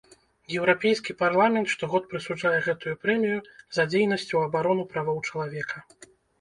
Еўрапейскі парламент штогод прысуджае гэтую прэмію за дзейнасць у абарону правоў чалавека.